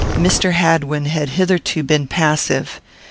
Mr. Hadwin had hitherto been passive.